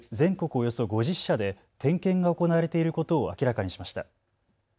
およそ５０社で点検が行われていることを明らかにしました。